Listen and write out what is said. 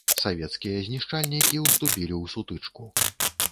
Савецкія знішчальнікі ўступілі ў сутычку.